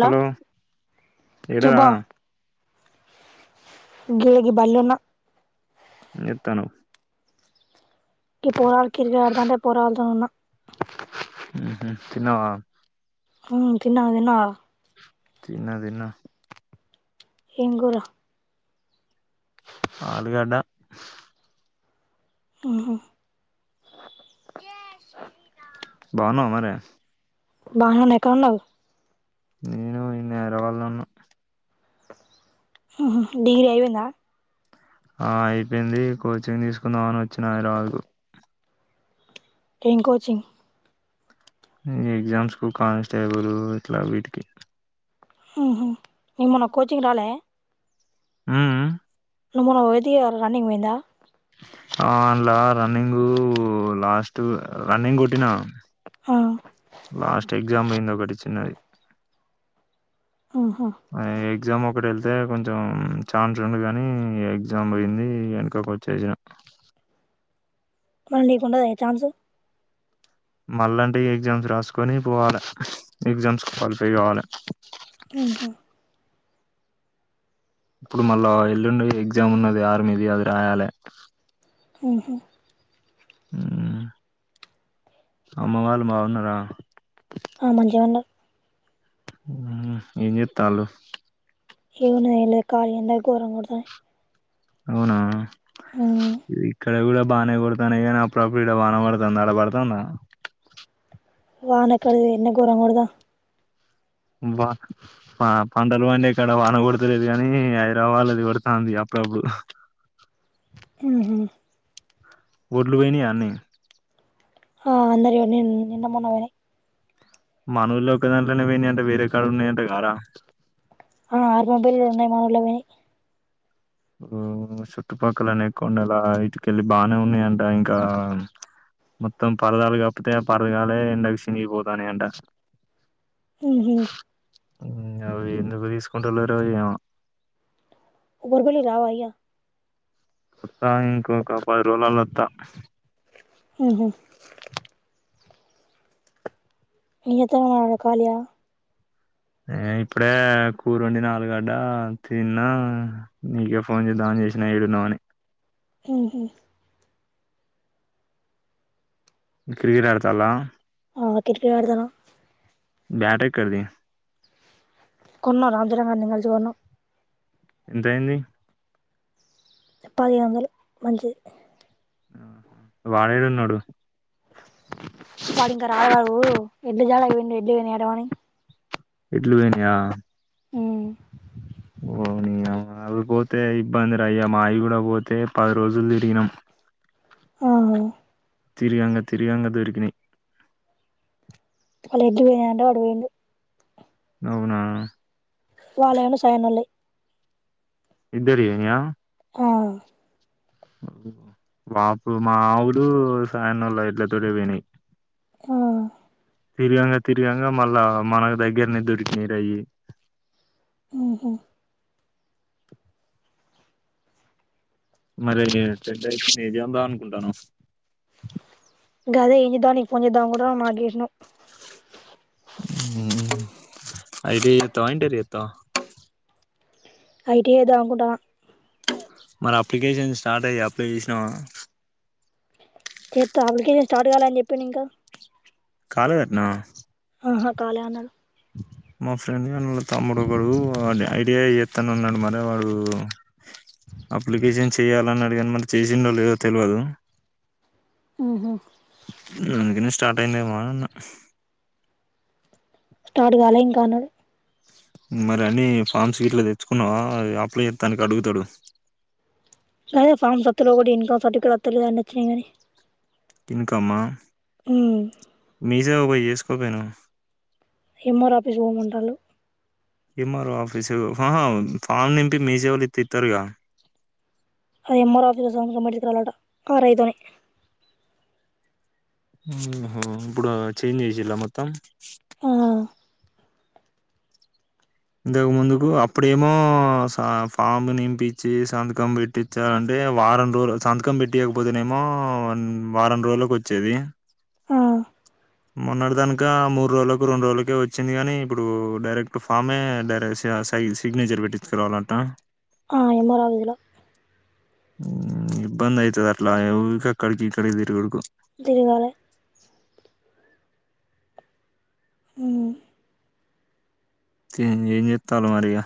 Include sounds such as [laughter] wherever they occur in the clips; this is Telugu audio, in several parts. హలో ఏడరా చెబ్బా గిళగి బళ్ళ ఉన్న ఏం చేతనవ్ ఈ పోరాలు [unintelligible] పోరాళ్తో ఉన్నా హ్మ్ హు తిన్నవా? హ్మ్ తిన్న, తిన్నవా? తిన్న తిన్న ఏంగూర ఆలుగడ్డ హ్మ్ హు బావున్నావ మరె బాహనే ఎక్కవుండవు నేను ఈ నేరవాల్ల ఉన్న డిగ్రీ అయిపోయిందా? ఆ అయిపోయింది కోచింగ్ తీసుకుందామని వచ్చినా హైద్రావాదు. ఏం కోచింగ్ మ్ ఎగ్జామ్స్ కు కానిస్టేబుల్ ఇట్ల వీటికి హ్మ్ హు ఏమన్న కోచింగ్ రాలే హ్మ్ మ్ నువ్వు మొన్న వోతివిగా రన్నింగ్ వొయిందా? ఆ అండ్ల రన్నింగూ లాస్ట్ రన్నింగ్ కొట్టినా. ఆ లాస్ట్ ఎగ్జామ్ పొయింది ఒకటి చిన్నది. మ్మ్ హ్మ్ ఆ ఎగ్జామ్ ఒ కటి వెళ్తే కొంచెం ఛాన్స్ ఉంది కానీ ఎగ్జామ్ పోయింది ఎనకకి వచ్చేసిన. మన నీకుండదు ఏ ఛాన్సు మళ్ళ అంటే ఎగ్జామ్స్ రాసుకొని పోవాలే, ఎగ్జామ్స్ క్వాలిఫై కావాలే. హ్మ్ హు ఇప్పుడు మళ్ళ ఎల్లుండి ఎగ్జామ్ ఉన్నది ఆర్మీది అది రాయాలే. హ్మ్ హు మ్మ్ అమ్మ వాళ్ళు బావున్నరా? ఆ మంచిగ ఉండర్ మ్మ్ ఏం జేత్తాల్లు ఏం ఉన్నయ్ ఏం లేక ప్ప ఎండ ఘోరం కొడుతునై అవునా ఇక్కడ కూడ బానే కొడతానై కాని అప్పుడప్పుడు వాన బడుతాంది అడ బడుతాందా? వానెక్కడిది ఎండ ఘోరంగ కొడుత బ్బా పంటలు పండే కాడ వాన కొడతలేదు కానీ హైదరావాదు లా కొడుతుంది అప్పుడప్పుడు హ్మ్ హు ఒడ్లు బొయినయా అన్ని ఆ అందరివి [unintelligible] నిన్న మొన్న వొయినై మన ఊళ్ళ ఒక దాంట్లనే వొయినై అంట వేరే కాడ ఉన్నాయి అంట గారా ఆ ఆరు పంపోల్లు ఉన్నాయి మనోళ్ళవి పొయినై చుట్టుపక్కల అనే కొండలా ఇటుకెళ్ళి బాగానే ఉన్నాయి అంట ఇంకా మొత్తం [unintelligible] కపితే [unintelligible] ఎండకి చినిగిపోతాని అంట ఉహు అవి ఎందుకు తీసుకుంట లేరో ఏమో గుర్బలి రావా అయ్య వాత ఇంకొక పది రోజులల వాత ఉహు నీతోనే [unintelligible] కాలయా ఇప్పుడే కూర వండిన అల్లుగడ్డ తిన్నా నీకే ఫోన్ చేద్దాం అని చేసిన ఏడున్నావ్ అని ఉహు క్రికెట్ ఆడతాలా ఆ క్రికెట్ ఆడుతారా బట్ ఎక్కడిది కొన్నం రా అందరం కలిసి కొన్నం ఎంత అయింది పదిహేను వందలు మంచిది వాడు ఏడ ఉన్నాడు వాడు ఇంకా రాలే [unintelligible] వని [unintelligible] మ్మ్ ఓనీ [unintelligible] పోతే ఇబ్బంది రా అయ్యా మావి కూడా పోతే పది రోజులు తిరిగినాం అవున తిరగంగ తిరగంగ దొరికినై అళ్లా [unintelligible] పోయింట అట్టు పోయింది అవునా వల్లే [unintelligible] ఇద్దరివి పోయినయ అవును వాపు మా అవ్వులు సాయి అన్న వాళ్ళిద్దరి [unintelligible] పోయినాయి మ్మ్ తిరగంగా తిరగంగా మళ్ళా మనకు దగ్గరనే దొరికినయి ఉహు మరైతే [unintelligible] ఏం చేద్దాం అనుకుంటున్నావ్? గదే [unintelligible] తోని ఫోన్ చేద్దాం అనుకుంటున్నావ్ మా చేసినవ్వ ఐటిఐ చేస్తావా ఇంటర్ చేస్తావా? ఐటిఐ చేద్దామనుకుంట మరి అప్లికేషన్ స్టార్ట్ అయ్యి అప్లై చేసినావా? చేస్తా అప్లికేషన్ స్టార్ట్ కాల అని చెప్పింది ఇంకా? కాలేదటన? అహా కాలే అనాడు మా ఫ్రెండ్ గాని తమ్ముడు ఒకడు అదే ఐటిఐ చేత్తనన్నడు మరి వాడు అప్లికేషన్ చేయాలన్నడు కనీ, మరి చేసిండో లేదో తెల్వదు. ఉ హు అందుకనే స్టార్ట్ అయిందేమోననన్న. స్టార్ట్ కాలే ఇంకా అన్నడు. మరి అన్నీ ఫామ్స్ గిట్ల తెచ్చుకున్నవా, అది అప్లై చ్చెత్తానికి అడుగుతడు. గదే ఫార్మ్స్ [unintelligible] లోకటి, ఇన్కమ్ సర్టిఫికెట్ తెలియదండి, ఒచ్చినయ్ కనీ. ఇన్కమ్మా, మీసేవ పోయి చేస్ కో పోయినవ్ ఎం ఆర్ ఓ ఆఫీస్ పోమంటాళ్ళు. ఎం ఆర్ ఓ ఆఫీసు, ఫా ఫామ్ నింపి మీసేవలొ ఇత్తే ఇత్తరుగా. అది ఎం ఆర్ ఓ ఆఫీస్ లో సంతకం పెట్టిచుకురావాలంట ఆర్ ఐ తోనీ. హు హు, ఇప్పుడు చేంజ్ చేసిల్లా మొత్తం? [unintelligible] ఇంతకు ముందుకు అప్పుడేమో సా ఫామ్ నింపించి సంతకం పెట్టించాలంటే వారం రోజు సంతకం పెట్టియకపోతేనేమో వారం రోజులలకు వచ్చేది. మొన్నటి దానక మూడు రోజులకు రెండు రోజులకే వచ్చింది కనీ ఇప్పుడు డైరెక్ట్ ఫామే డై సిగ్నేచర్ పెట్టించుకురావాలంట. ఆ, ఎం ఆర్ ఓ ఆఫీసులో ఉమ్ ఇబ్బంది అయితదట్లా ఊకె అక్కడికి ఇక్కడికి తిరుగుడు కు తిరగాలే హ్మ్ ఏం జెత్తాల్లో మరిగ?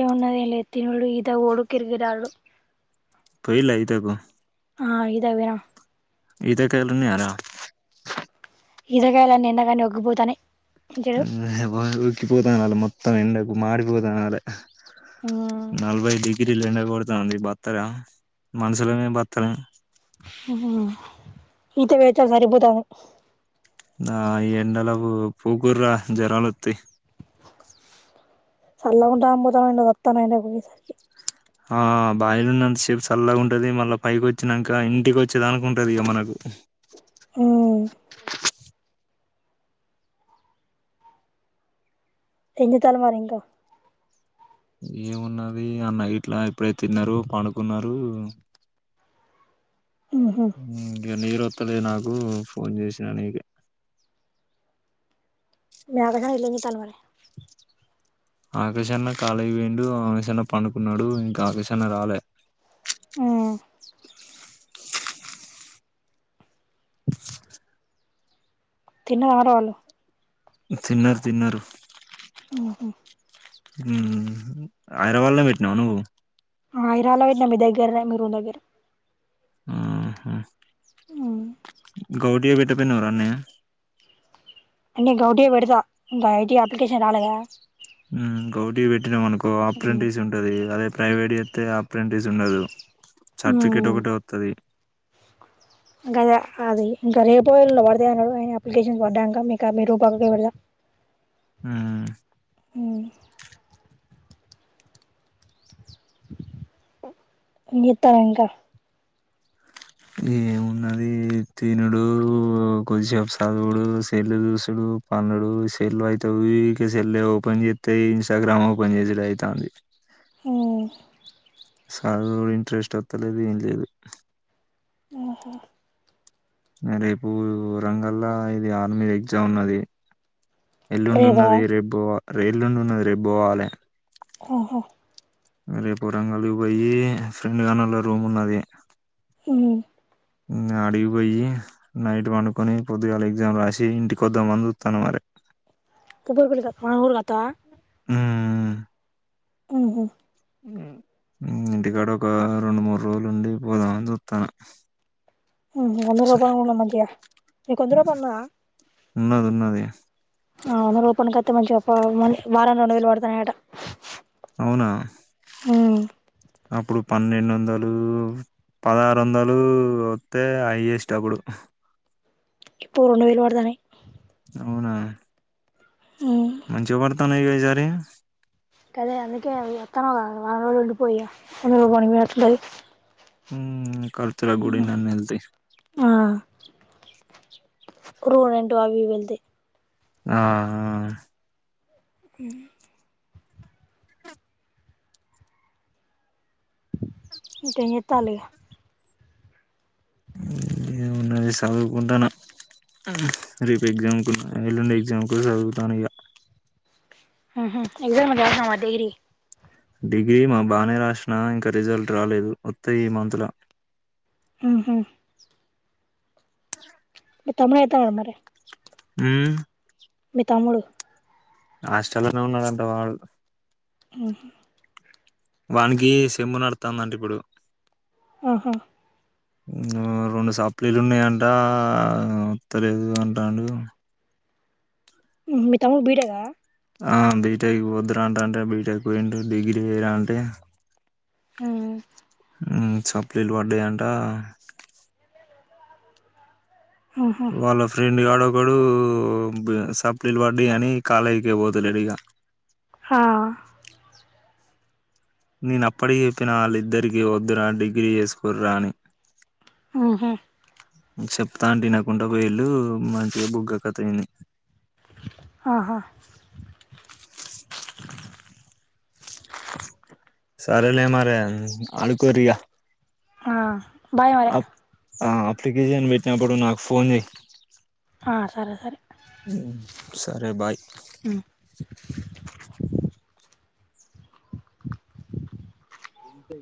ఏమున్నది ఏం లేదు. తినుడు, ఈతకు పోవుడు, క్రికెట్ ఆడుడు. పొయిల్లా ఈతకు ఆ ఇతకు పోయినం. ఈతకాయలు ఉన్నయరా. ఈతకాయల్ అన్ని ఎండగానే ఒగ్గిపోతానయ్. ఉమ్ యేహాపో ఒకిపోతాన మొత్తం. త్తం ఎండకు మాడి పోతానాలే. నల్బయి డిగ్ గిరిలు ఎండకొడతాఉంది బత్తరా మనుషులమే బత్తలేం. ఉ హు హు, ఈత [unintelligible] సరిపోతద ఆ ఈ ఎండలకు పూకూర్రా జ్వరాలోత్తే. సళ్ళగుంటదని పోతానవ్ ఎండకు సత్తానవ్ ఎండకు పోయేసరికి ఆ బాయిలున్నంత సేపు సళ్ళ గుంటది, మళ్ళా పైకి వచ్చినంక ఇంటికి వచ్చేదాంక ఉంటదిక మనకు. అ ఏంజేత్తాల్లు మరి ఇంకా? ఏమున్నది అన్న గిట్లా ఇపుడే తిన్నరు, పండుకున్నారు. గ నీరో అత్తలేదు నాకు, ఫోన్ చేసినా నీకే [unintelligible] కల్వలే ఆకాష్ అన్న కాలేజ్ పోయిండు ఆమెషన్న పండుకున్నాడు ఇంకా ఆకాష్ అన్న రాలే. తిన్నవార వాళ్ళు తిన్నారు తిన్నారు. వుహుమ్ హైదరాబాద్ లో పెట్టినావు నువ్వు మైరా లో పెట్నా మీ దగ్గర మీరు రూమ్ దగ్గర. ఊహుం గౌటియ పెట్టకపోయినావరా అన్నీ నేను గౌటిగా పెడతా ఇంకా ఐటీ అప్లికేషన్ రాలేగా గౌటీ పెట్టినాం అనుకో అప్రెంటిస్ ఉంటది అదే ప్రైవేట్ చెప్తే అప్రెంటిస్ ఉండదు. సర్టిఫికెట్ మ్మ్ ఒకటవతది. గధ అది ఇంకా రేపో ఎల్లుండో పడతాయి అన్నా ఆయన అప్లికేషన్స్ పడ్డాక మీక మీ రూ బాగా పెడదా ఉమ్ ఉమ్ ఏం చేత్తావ్ ఇంకా ఏమున్నది తినుడు కొద్దిసేపు చదువుడు సెల్లు చూసుడు పండుడు సెల్లు అవుతే వీలైతే సెల్ ఓపెన్ చెత్తే ఇంస్టాగ్రామ్ ఓపెన్ చేసి ఇదిఐతాంది. ఊమ్ రో ఇంట్రెస్ట్ వస్తలేదు ఏం లేదు. ఆహా నా రేపు రంగల్లా ఇది ఆర్మీ ఎగ్జామ్ ఉన్నది. రేపా ఎల్లుండున్నది రేపు బోవా రైలు నుండి ఉన్నది రేపు పోవాలి ఓహో రేపు రంగలి పోయి ఫ్రెండ్ గానేళ రూమ్ ఉన్నది. హిం ఉం అడిగిపోయి నైట్ వడుకొని పొద్దుగాలే ఎగ్జామ్ రాసి ఇంటికొద్దమని చూత్తాన మరి. ఇప్పుడు అయిపోయింది క గోంగూర కట్ట ఊమ్మ్ ఊహుం ఇంటికాడ ఒక రెండు మూడు రోజులుండి పోదామని చూత్తన్న. హుం వంద రూపాయలు ఉన్నాయ్ మంచిగా ఒక వంద రూపాయలు ఉన్నాయా. ఉన్నది ఉన్నది ఆ ఆరోపణ కరెక్టే మంచిగా [unintelligible] మనిష్ వారానికి రెండు వేలు పడుతున్నాయట. అవునా ఊమ్ అప్పుడు పన్నెండు వందలు పదహారు వందలు వస్తే హైయెస్ట్ అప్పుడు ఇప్పుడు, రెండు వేళ్లు వడ్డతనై. అవునహ్? మంచిగా, పడుతున్నాయిగా ఈ? ఎ [unintelligible] జరిగింద్? [inaudible] కదా, అందుకే [unintelligible] ఇవ్వధ. [unintelligible] వోతున్నవ్ గా, వారం రోజులు ఉండిపో ఇగ. [unintelligible] పంగరోజు మార్నింగ్ ఎట్ల ఉంటది? హ్మ్మ్! ఖర్చులకు గూడా ఇననా ఎల్తై. ఆ! [unintelligible] క్రూ, ఆ రెండు! అవి ఇవి ఎల్తై. ఆఆఆ! హ్మ్! ఇంకే చేతలు ఇగ. ఉమ్మ్! ఏమున్నది, సదువుకుంటున్నా. ఉమ్మ్! రేపు ఎగ్జామ్ ఉన్న, ఎల్లుండి ఎగ్జామ్ కూడా, సదువుతాను ఇగ. ఉహూ, ఎగ్జామ్ ఎట్లా రాసినవ్ డిగ్రీ? డిగ్రీ మా, బాగానే రాశినా. ఇంకా రిజల్ట్ రాలేదు. వస్తాయి, ఈ మంత్‌ల. ఉహూ! మీ తమ్ముడు, [unintelligible] ఏటండు మరి? ఉమ్మ్! మీ తమ్ముడు. హాస్టల్‌లోనే, ఉన్నడంట వాడు. ఉమ్మ్! వానికి సిమ్ నడుతందంట ఇప్పుడు. ఆహా! ఊ! రెండు సప్లీలూ, ఉన్నయ్ అంట. వోతలేదు అంతాండూ. ఉహ్, మీ తమ్ముడు బీటెక్ ఆ? ఆ, బీటెక్ వొదురా అంటంటే, బీటెక్ పోయిండు. డిగ్రీ చేయరా అంటే. హ్మ్మ్! హ్మ్, సప్లీలూ పడాయ్, అంట! ఉహు వాళ్ల ఫ్రెండ్, గాడు ఒక [unintelligible] ఇప్పుడు, బేస్ [unintelligible] సప్లీలూ వడైఅని కాలేజ్‌కి పోతలేడు ఇగ. హా! నేను అప్పుడే జెప్పినా, వాళ్లిద్దరికీ వొదురా, డిగ్రీ చేస్కోరా అని. ఉహ్. చెప్తుంటే, ఇనకుండా పోయీలు. మంచిగా బొక్క కథ అయింది. ఆహా! [inaudible] సరేలే! మరి. అనుకోరే ఇగ. ఆ. బాయే! మరి. ఆ అప్లికేషన్ పెట్టినప్పుడు నాకు ఫోన్ చేయి. హా. సరే సరే! సరే బాయ్ మ్ అ ఇ